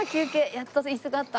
やっと椅子があった。